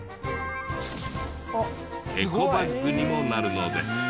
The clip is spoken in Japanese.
エコバッグにもなるのです。